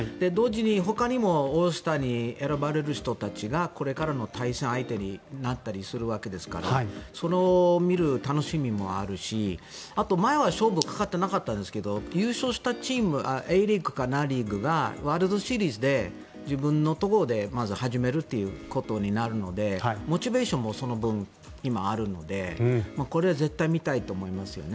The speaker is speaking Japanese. ほかにもオールスターに選ばれる人たちがこれからの対戦相手になったりするわけですからそれを見る楽しみもあるし前は勝負かかっていなかったですが優勝したチームア・リーグかナ・リーグがワールドシリーズで自分のところでまず始めるということになるのでモチベーションもその分今あるのでこれは絶対に見たいと思いますね。